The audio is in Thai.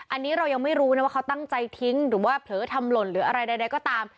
อันนี้เรายังไม่รู้นะว่าเขาตั้งใจทิ้งหรือว่าเผลอทำหล่นหรืออะไรใดก็ตาม